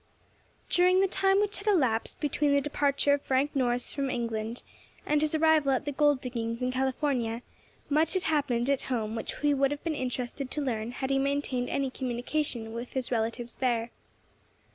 DURING the time which had elapsed between the departure of Frank Norris from England, and his arrival at the gold diggings in California, much had happened at home which he would have been interested to learn had he maintained any communication with his relatives there.